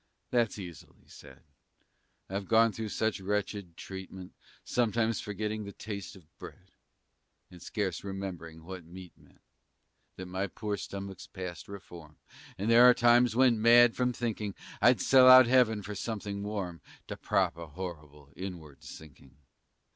That's easily said; But I've gone through such wretched treatment, Sometimes forgetting the taste of bread, And scarce remembering what meat meant, That my poor stomach's past reform; And there are times when, mad with thinking, I'd sell out heaven for something warm To prop a horrible inward sinking.